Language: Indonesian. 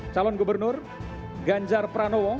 calon gubernur ganjar pranowo